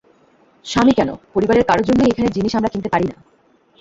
স্বামী কেন, পরিবারের কারও জন্যই এখানের জিনিস আমরা কিনতে পারি না।